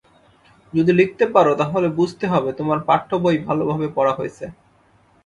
যদি লিখতে পারো তাহলে বুঝতে হবে তোমার পাঠ্যবই ভালোভাবে পড়া হয়েছে।